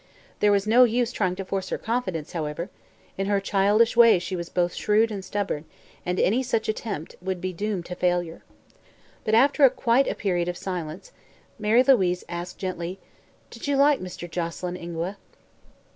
There was no use trying to force her confidence, however; in her childish way she was both shrewd and stubborn and any such attempt would be doomed to failure. But after quite a period of silence Mary Louise asked gently: "Did you like Mr. Joselyn, Ingua?"